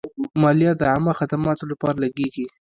مالیه د عامه خدماتو لپاره لګیږي.